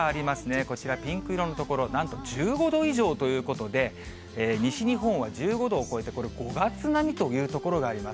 こちら、ピンク色の所、なんと１５度以上ということで、西日本は１５度を超えて、これ、５月並みという所があります。